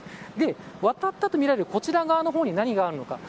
渡ったとみられるこちら側の方に何があるのか。